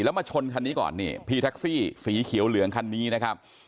แล้วมาชนคันนี้ก่อนนี่พี่แท็กซี่สีเขียวเหลืองคันนี้นะครับ